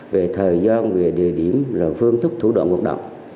về thời gian về địa điểm về phương thức thủ động hoạt động